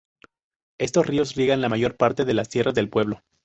Estos ríos riegan la mayor parte de las tierras del pueblo.